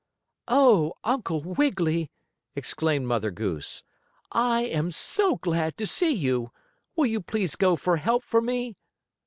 "Oh, Uncle Wiggily!" exclaimed Mother Goose. "I am so glad to see you! Will you please go for help for me?"